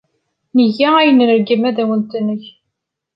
Nga ayen ay nṛeggem ad awen-t-neg.